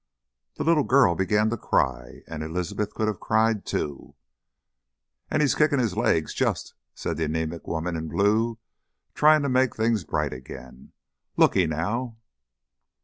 The little girl began to cry, and Elizabeth could have cried too. "Ain't 'e kickin' 'is legs! just!" said the anæmic woman in blue, trying to make things bright again. "Looky _now!